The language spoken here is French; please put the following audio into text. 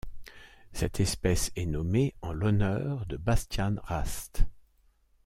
Cette espèce est nommée en l'honneur de Bastian Rast.